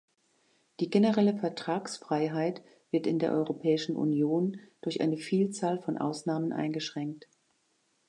Die generelle Vertragsfreiheit wird in der Europäischen Union durch eine Vielzahl von Ausnahmen eingeschränkt.